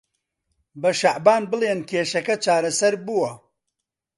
بە شەعبان بڵێن کێشەکە چارەسەر بووە.